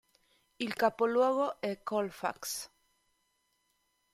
Il capoluogo è Colfax.